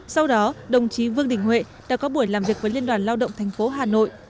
sau đó đồng chí vương đình huệ đã có buổi làm việc với liên đoàn lao động tp hà nội